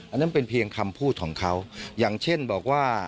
อันนั้นเป็นเพียงคำพูดของเขาอย่างเช่นบอกว่า